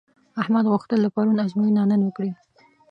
احمد غوښتل د پرون ازموینه نن ورکړي.